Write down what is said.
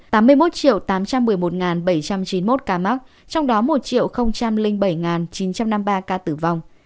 trong đó một bảy chín trăm năm mươi ba ca tử vong